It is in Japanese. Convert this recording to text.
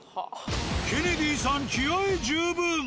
ケネディーさん気合い十分。